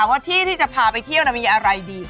ว่าที่ที่จะพาไปเที่ยวมีอะไรดี